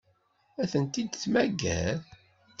Ad tent-id-temmager?